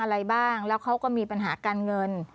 อะไรบ้างแล้วเขาก็มีปัญหาการเงิน